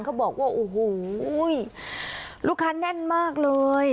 เขาบอกว่าโอ้โหลูกค้าแน่นมากเลย